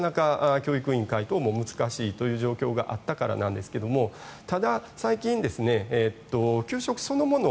合理化するためには設備投資はなかなか教育委員会等も難しいという状況があったからですがただ最近給食そのもの